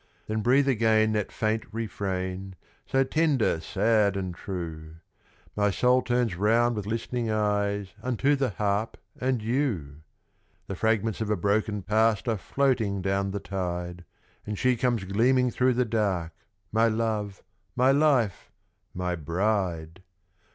Then breathe again that faint refrain, so tender, sad, and true, My soul turns round with listening eyes unto the harp and you! The fragments of a broken Past are floating down the tide, And she comes gleaming through the dark, my love, my life, my bride!